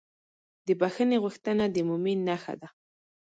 د بښنې غوښتنه د مؤمن نښه ده.